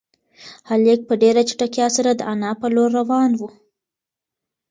هلک په ډېره چټکتیا سره د انا په لور روان و.